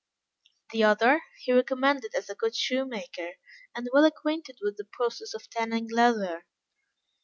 The other, he recommended as a good shoemaker, and well acquainted with the process of tanning leather.